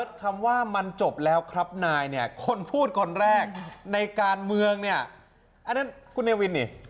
พี่เบิร์ตคำว่ามันจบแล้วครับนายคนพูดคนแรกในการเมืองอันนั้นคุณเนวินนี่